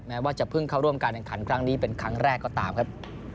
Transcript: ว่าจะเพิ่งเข้าร่วมการแข่งขันครั้งนี้เป็นครั้งแรกก็ตามครับ